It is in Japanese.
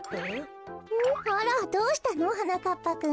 あらっどうしたの？はなかっぱくん。